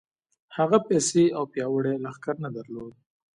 هغه پيسې او پياوړی لښکر نه درلود.